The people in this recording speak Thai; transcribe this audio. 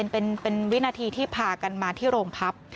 เป็นวินาทีที่พากันมาที่โรงพัก